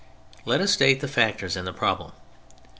Let us state the factors in the problem.